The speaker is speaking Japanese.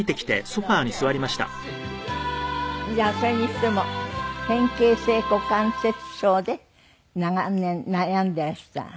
いやそれにしても変形性股関節症で長年悩んでいらした。